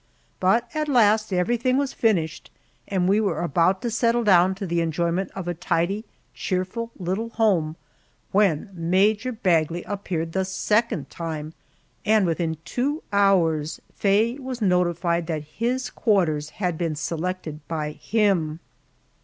But at last everything was finished, and we were about to settle down to the enjoyment of a tidy, cheerful little home when Major Bagley appeared the second time, and within two hours Faye was notified that his quarters had been selected by him!